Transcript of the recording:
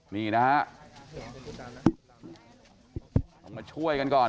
นี่นะครับมาช่วยกันก่อน